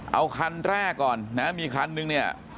เอาคันแรกก่อนนะมีคันนึงเนี่ย